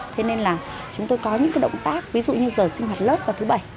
thế nên là chúng tôi có những động tác ví dụ như giờ sinh hoạt lớp và thứ bảy